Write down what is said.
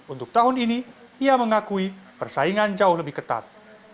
untuk tahun ini ia mengakui persaingan jauh lebih ketat